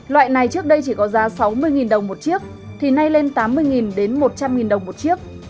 loại này trước đây chỉ có giá sáu mươi đồng một chiếc thì nay lên tám mươi đến một trăm linh đồng một chiếc